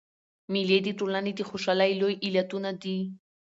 مېلې د ټولني د خوشحالۍ لوی علتونه دي.